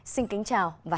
xin kính chào và hẹn gặp lại